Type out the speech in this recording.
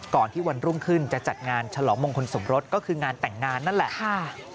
ที่วันรุ่งขึ้นจะจัดงานฉลองมงคลสมรสก็คืองานแต่งงานนั่นแหละ